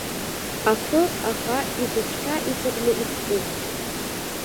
Ахы аӷа игәыҵәҟьа иҵакны искуп.